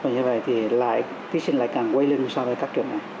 như vậy thì thí sinh lại càng quay lên hướng sau các trường này